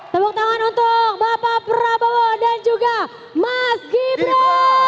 tepuk tangan untuk bapak prabowo dan juga mas gibran